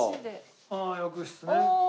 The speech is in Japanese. ああ浴室ね。